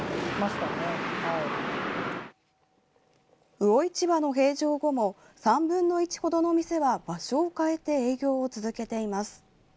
魚市場の閉場後も３分の１程の店は場所を変えて営業を続けています。